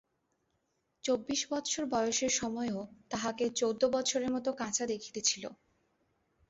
চব্বিশবৎসর বয়সের সময়ও তাহাকে চৌদ্দবৎসরের মতো কাঁচা দেখিতে ছিল।